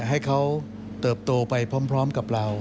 ให้เขาเติบโตไปพร้อมกับเรา